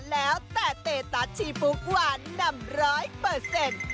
แล้วแต่เตตัสชีปุ๊กหวานนำร้อยเปอร์เซ็นต์